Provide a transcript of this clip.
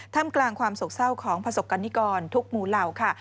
มกลางความโศกเศร้าของประสบกรณิกรทุกหมู่เหล่าค่ะ